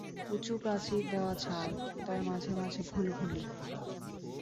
উঁচু প্রাচীর-দেওয়া ছাদ, তার মাঝে মাঝে ঘুলঘুলি।